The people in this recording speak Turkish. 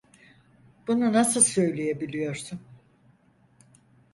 Bunu nasıl söyleyebiliyorsun?